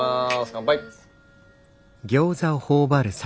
乾杯！